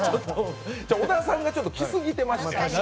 小田さんがちょっと来すぎてまして。